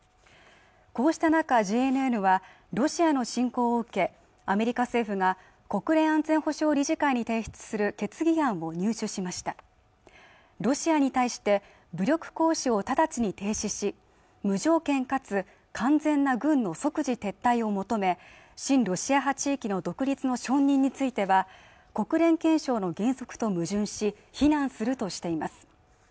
こうした中ＪＮＮはロシアの侵攻を受けアメリカ政府が国連安全保障理事会に提出する決議案を入手しましたロシアに対して武力行使を直ちに停止し無条件かつ完全な軍の即時撤退を求め親ロシア派地域の独立の承認については国連憲章の原則と矛盾し非難するとしています